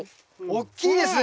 大きいですね